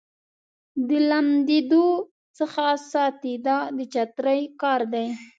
د لمدېدو څخه ساتي دا د چترۍ کار دی.